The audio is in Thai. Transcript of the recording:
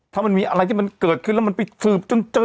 ถ้ามันมีอะไรที่มันเกิดขึ้นแล้วมันไปสืบจนเจอ